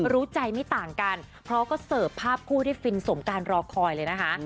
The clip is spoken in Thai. รู้ใจไม่ต่างกันเพราะก็เสิร์ฟภาพคู่ได้ฟินสมการรอคอยเลยนะคะ